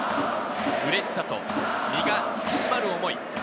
うれしさと身が引き締まる思い。